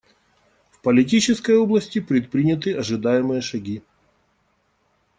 В политической области предприняты ожидаемые шаги.